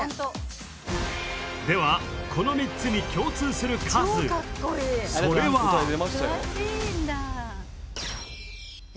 ではこの３つに共通する数それは。え？